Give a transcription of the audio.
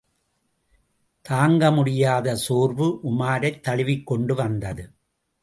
தாங்க முடியாத சோர்வு உமாரைத் தழுவிக்கொண்டு வந்தது.